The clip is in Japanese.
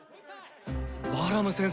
バラム先生